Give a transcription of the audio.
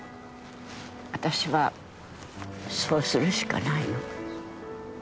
私はそうするしかないの。